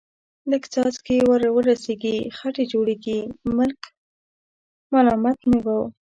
لږ څاڅکي ور ورسېږي، خټې جوړېږي، ملک ملامت نه و.